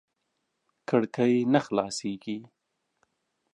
کړکۍ نه خلاصېږي .